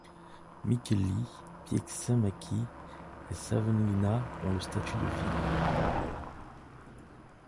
Mikkeli, Pieksämäki et Savonlinna ont le statut de villes.